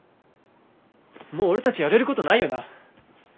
もう俺たちやれることないよな。